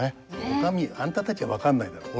「お上あんたたちは分かんないだろう。